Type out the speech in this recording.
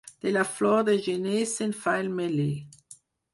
De la flor de gener se'n fa el meler.